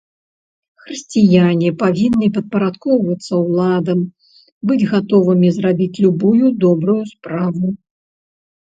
Хрысціяне павінны падпарадкоўвацца ўладам, быць гатовымі зрабіць любую добрую справу.